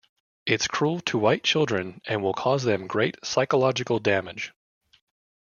It's cruel to white children and will cause them great psychological damage.